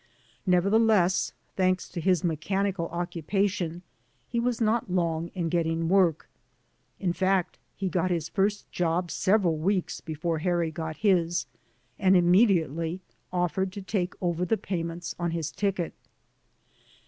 Nevertheless, thanks to his mechanical occupation, he was not long in getting work. In fact, he got his first job several weeks before Harry got his, and inmiediately oflFered to take over the payments on his ticket.